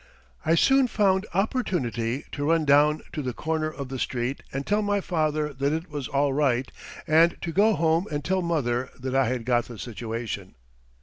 I soon found opportunity to run down to the corner of the street and tell my father that it was all right, and to go home and tell mother that I had got the situation.